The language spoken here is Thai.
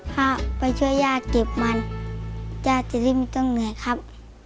ถ้าไปช่วยย่าเก็บมันย่าจะได้ไม่ต้องเหนื่อยครับ